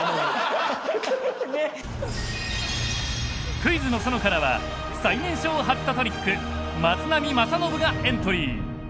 「クイズの園」からは最年少ハットトリック松波正信がエントリー。